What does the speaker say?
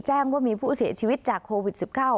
แจ้งว่ามีผู้เสียชีวิตจากโควิด๑๙